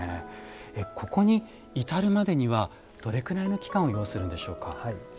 ここに至るまでにはどれくらいの期間を要するんでしょうか？